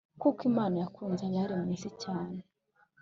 Kuko Imana yakunze abari mu isi cyane,